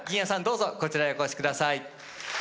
どうぞこちらへお越しください。